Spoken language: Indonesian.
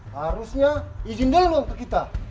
harusnya izin dia lalu ke kita